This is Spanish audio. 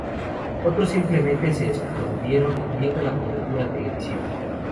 Otros simplemente se escondieron, viendo la cobertura televisiva.